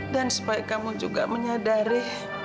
dan supaya kamu juga menyadari